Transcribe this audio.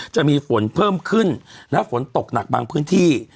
จะมีฝนเพิ่มขึ้นและฝนตกหนักบางพื้นที่